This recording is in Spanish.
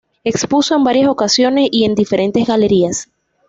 Expuso un varias ocasiones y en diferentes galerías.